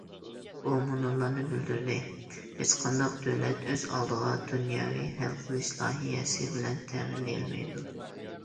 ئۇ مۇنۇلارنى بىلدۈردى: ھېچقانداق دۆلەت ئۆز ئالدىغا دۇنياۋى ھەل قىلىش لايىھەسى بىلەن تەمىنلىيەلمەيدۇ.